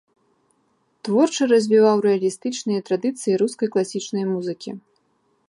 Творча развіваў рэалістычныя традыцыі рускай класічнай музыкі.